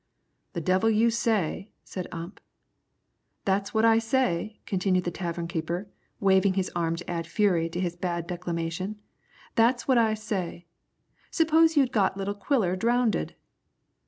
"The devil you say!" said Ump. "That's what I say," continued the tavern keeper, waving his arm to add fury to his bad declamation. "That's what I say. Suppose you'd got little Quiller drownded?"